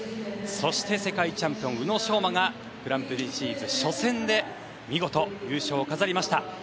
そして、世界チャンピオン宇野昌磨がグランプリシリーズ初戦で見事、優勝を飾りました。